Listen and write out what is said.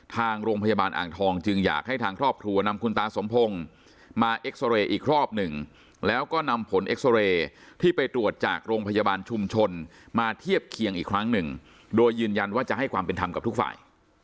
ทางโรงพยาบาลอ่างทองจึงอยากให้ทางครอบครัวนำคุณตาสมพงศ์มาเอ็กซอเรย์อีกรอบหนึ่งแล้วก็นำผลเอ็กซอเรย์ที่ไปตรวจจากโรงพยาบาลชุมชนมาเทียบเคียงอีกครั้งหนึ่งโดยยืนยันว่าจะให้ความเป็นธรรมกับทุกฝ่าย